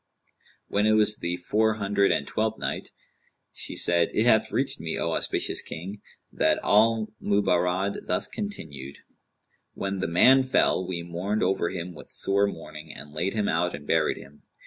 When it was the Four Hundred and Twelfth Night, She said, It hath reached me, O auspicious King, that al Mubarrad thus continued: "When the man fell we mourned over him with sore mourning and laid him out and buried him.